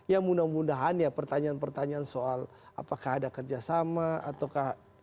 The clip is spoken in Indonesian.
ya mudah mudahan ya pertanyaan pertanyaan soal apakah ada kerjasama ataukah